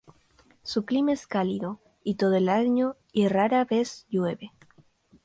Su clima es cálido todo el año y rara vez llueve.